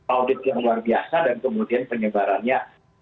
audit yang luar biasa dan kemudian penyebarannya